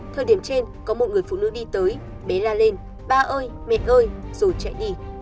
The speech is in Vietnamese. thời điểm trên có một người phụ nữ đi tới bé la lên ba ơi mệt hơi rồi chạy đi